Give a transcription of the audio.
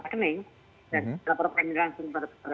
dan kita perpengen langsung kepada